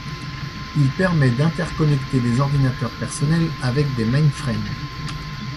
Il permet d'interconnecter des ordinateurs personnels, avec des mainframe.